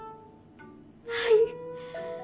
はい！